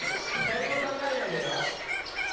何も考えないでよ。